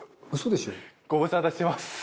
ご無沙汰してます。